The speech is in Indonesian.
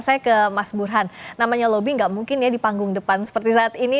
saya ke mas burhan namanya lobby gak mungkin ya di panggung depan seperti saat ini